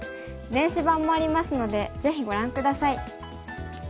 電子版もありますのでぜひご覧下さい。